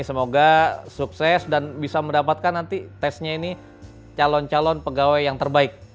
semoga sukses dan bisa mendapatkan nanti tesnya ini calon calon pegawai yang terbaik